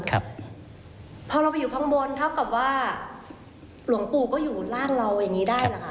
ครับพอเราไปอยู่ข้างบนเท่ากับว่าหลวงปู่ก็อยู่ร่างเราอย่างนี้ได้เหรอคะ